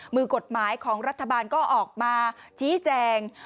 มือกฎหมายของรัฐบาลก็ออกมาชี้แจง